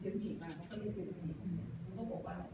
ยันจิบป่ะเขามันเรียนยันจิบ